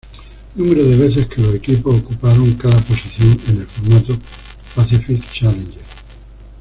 Número de veces que los equipos ocuparon cada posición en el formato Pacific Challenge.